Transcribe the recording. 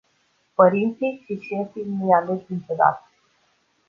Părinții și șefii nu-i alegi niciodată.